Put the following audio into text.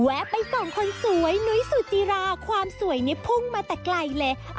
ไปส่งคนสวยนุ้ยสุจิราความสวยนี่พุ่งมาแต่ไกลเลย